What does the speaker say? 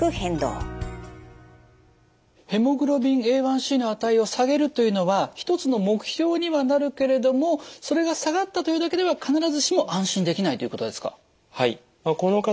ヘモグロビンＡ１ｃの値を下げるというのは一つの目標にはなるけれどもそれが下がったというだけでは必ずしも安心できないということですか？